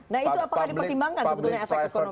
nah itu apakah dipertimbangkan sebetulnya efek ekonomi